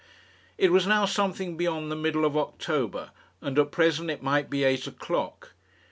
It was now something beyond the middle of October, and at present it might be eight o'clock.